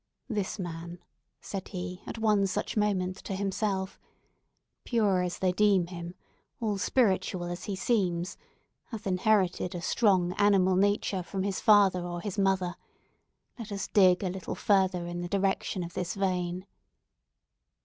"This man," said he, at one such moment, to himself, "pure as they deem him—all spiritual as he seems—hath inherited a strong animal nature from his father or his mother. Let us dig a little further in the direction of this vein!"